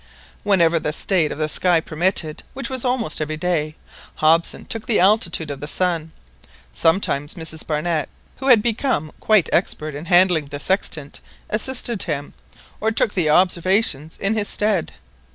Whenever the state of the sky permitted, which was almost every day, Hobson took the altitude of the sun. Sometimes Mrs Barnett, who had become quite expert in handling the sextant, assisted him, or took the observation in his stead.